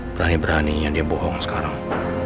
berani beraninya dia bohong sekarang